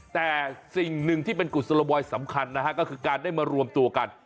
แต่สิ่งหนึ่งที่เป็นกุศโลบอยสำคัญนะฮะก็คือการได้มารวมตัวกัน